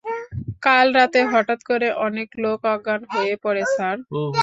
কাল রাতে হঠাৎ করে অনেক লোক অজ্ঞান হয়ে পরে, স্যার।